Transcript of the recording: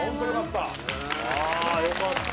よかった。